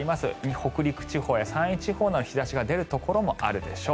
北陸地方や山陰地方でも日差しが出るところあるでしょう。